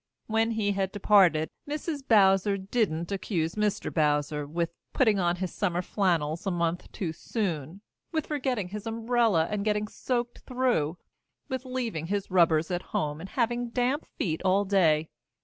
When he had departed, Mrs. Bowser didn't accuse Mr. Bowser with putting on his summer flannels a month too soon; with forgetting his umbrella and getting soaked through; with leaving his rubbers at home and having damp feet all day.